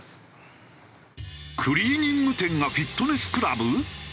クリーニング店がフィットネスクラブ？